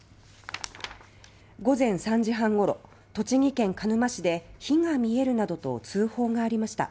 午前３時半ごろ栃木県鹿沼市で火が見えるなどと通報がありました。